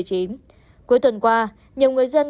cuối tuần qua nhiều người dân